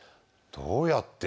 どうやって？